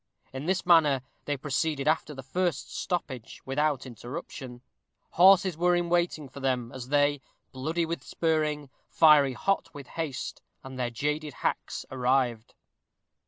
In this manner they proceeded after the first stoppage without interruption. Horses were in waiting for them, as they, "bloody with spurring, fiery hot with haste," and their jaded hacks arrived.